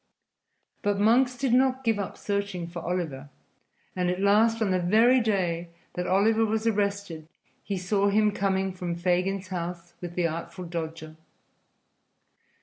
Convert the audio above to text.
But Monks did not give up searching for Oliver, and at last, on the very day that Oliver was arrested, he saw him coming from Fagin's house with the Artful Dodger.